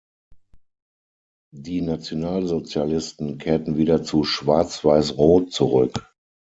Die Nationalsozialisten kehrten wieder zu Schwarz-Weiß-Rot zurück.